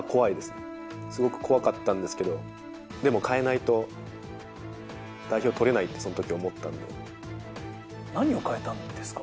すごく怖かったんですけど、でも変えないと、代表取れないって、何を変えたんですか？